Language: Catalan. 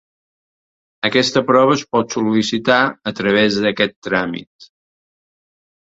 Aquesta prova es pot sol·licitar a través d'aquest tràmit.